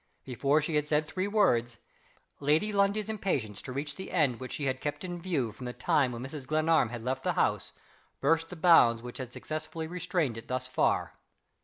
Before she had said three words, Lady Lundie's impatience to reach the end which she had kept in view from the time when Mrs. Glenarm had left the house burst the bounds which had successfully restrained it thus far.